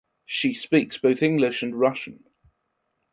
She speaks both English and Russian.